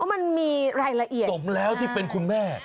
มันมีรายละเอียดใช่ใช่ต้องสมแล้วที่เป็นคุณแม่